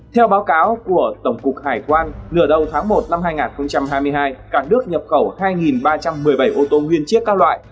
theo báo cáo của tổng cục hải quan nửa đầu tháng một năm hai nghìn hai mươi hai cả nước nhập khẩu hai ba trăm một mươi bảy ô tô nguyên chiếc các loại